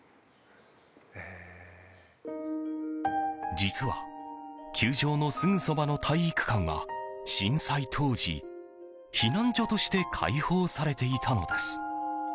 実は球場のすぐそばの体育館が震災当時、避難所として開放されていたのです。